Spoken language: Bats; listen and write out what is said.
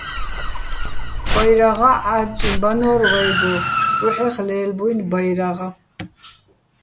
ბაჲრაღა́ ჺა́რჭიჼ ბანო́რ ვაჲგო, ბუჰ̦ეხ ლე́ლბუჲნი ბაჲრაღ.